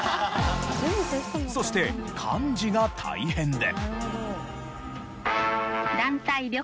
そして幹事が大変で。